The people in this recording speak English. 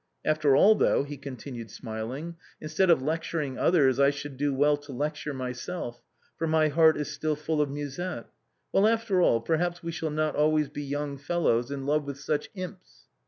After all, though," he continued, smiling, " instead of lectur ing others, I should do well to lecture myself, for my heart is still full of Musette. Well, after all, perhaps we shall not always be young fellows in love with such imps."